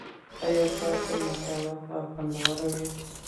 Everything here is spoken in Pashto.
ایا ستاسو مصاله به خوندوره وي؟